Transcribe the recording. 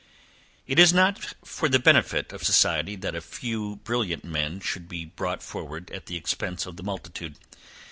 It is not for the benefit of society that a few brilliant men should be brought forward at the expence of the multitude.